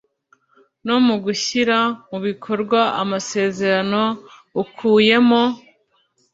no mu gushyira mu bikorwa amasezerano ukuyemo